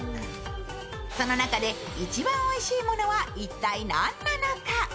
その中で、一番おいしいものは一体何なのか。